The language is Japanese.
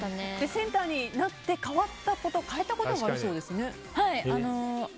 センターになって変わったこと変えたことがあるそうですね。